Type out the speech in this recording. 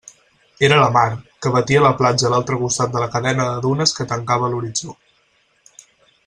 Era la mar, que batia la platja a l'altre costat de la cadena de dunes que tancava l'horitzó.